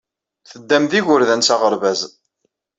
Teddam d yigerdan s aɣerbaz.